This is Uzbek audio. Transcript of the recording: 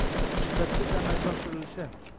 muddatgacha amalga oshirilishi;